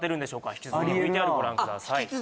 引き続きＶＴＲご覧ください